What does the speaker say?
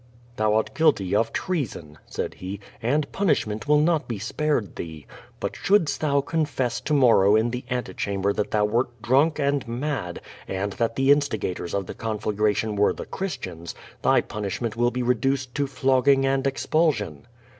"Thou art guilty of treason,*' said he, "and punishment will not be spared thee. But shouldst thou confess to morrow in the ante chamber that thou wert drunk and mad and that the instigators of the conflagration were the Christians, thy pun ishment will be reduced to flogging and expulsion.''